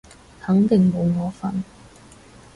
肯定冇我份